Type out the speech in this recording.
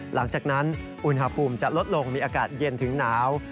หลังจากนั้นอุณหภูมิจะลดลงมีอากาศเย็นถึงหนาว